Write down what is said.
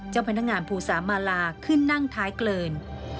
เจ้าพนักงานภูสามาลาขึ้นนั่งท้ายเกิน